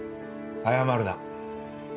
謝るな。